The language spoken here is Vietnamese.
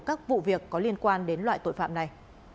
các vụ việc có liên quan đến loại tội phạm này